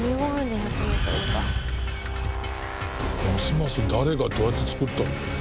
ますます誰がどうやって作ったんだ？